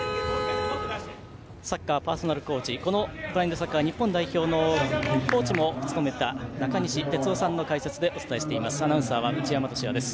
サッカーパーソナルコーチこのブラインドサッカー日本代表のコーチも務めた中西哲生さんの解説でお伝えしています。